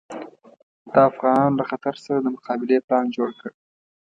د افغانانو له خطر سره د مقابلې پلان جوړ کړ.